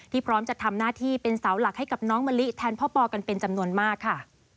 พร้อมจะทำหน้าที่เป็นเสาหลักให้กับน้องมะลิแทนพ่อปอกันเป็นจำนวนมากค่ะ